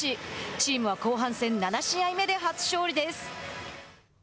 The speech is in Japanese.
チームは後半戦、７試合目で初勝利です。